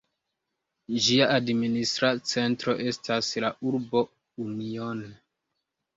Ĝia administra centro estas la urbo Union.